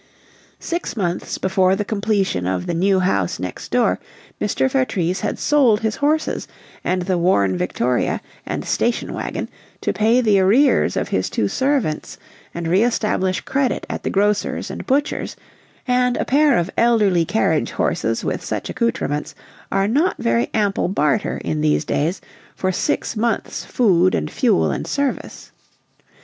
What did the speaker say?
Six months before the completion of the New House next door, Mr. Vertrees had sold his horses and the worn Victoria and "station wagon," to pay the arrears of his two servants and re establish credit at the grocer's and butcher's and a pair of elderly carriage horses with such accoutrements are not very ample barter, in these days, for six months' food and fuel and service.